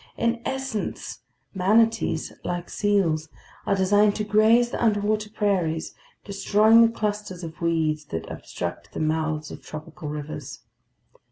In essence, manatees, like seals, are designed to graze the underwater prairies, destroying the clusters of weeds that obstruct the mouths of tropical rivers.